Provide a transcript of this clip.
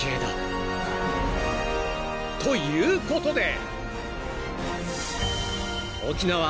［ということで］